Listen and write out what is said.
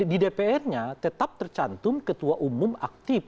di dpr nya tetap tercantum ketua umum aktif